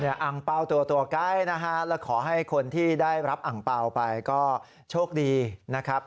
อ่างเปลาตัวใกล้และขอให้คนที่ได้รับอ่างเปลาไปก็โชคดีนะครับ